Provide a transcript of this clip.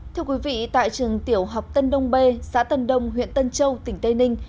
thưa quý vị tại trường tiểu học tân đông b xã tân đông huyện tân châu tỉnh tây ninh